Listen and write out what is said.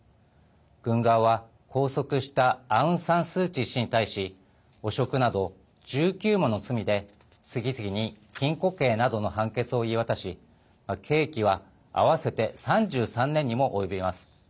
軍側は、拘束したアウン・サン・スー・チー氏に対し汚職など１９もの罪で次々に禁錮刑などの判決を言い渡し刑期は合わせて３３年にも及びます。